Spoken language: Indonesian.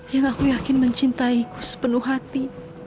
yang aku yakin mencintaiku sepenuh hati